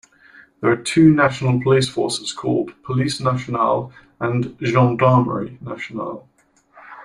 There are two national police forces called "Police nationale" and "Gendarmerie nationale".